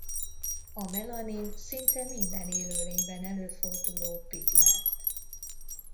A melanin szinte minden élőlényben előforduló pigment.